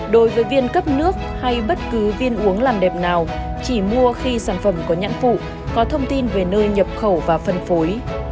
đối với viên cấp nước hay bất cứ viên uống làm đẹp nào chỉ mua khi sản phẩm có nhãn phụ có thông tin về nơi nhập khẩu và phân phối